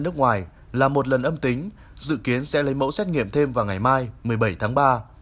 nước ngoài là một lần âm tính dự kiến sẽ lấy mẫu xét nghiệm thêm vào ngày mai một mươi bảy tháng ba